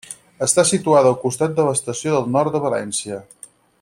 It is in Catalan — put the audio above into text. Està situada al costat de l'Estació del Nord de València.